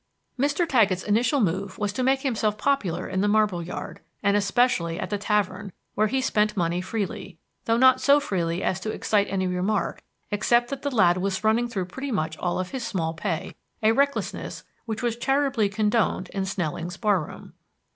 Mr. Taggett's initial move was to make himself popular in the marble yard, and especially at the tavern, where he spent money freely, though not so freely as to excite any remark except that the lad was running through pretty much all his small pay, a recklessness which was charitably condoned in Snelling's bar room.